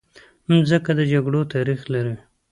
مځکه د جګړو تاریخ لري.